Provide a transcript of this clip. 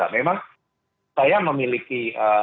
memang saya memiliki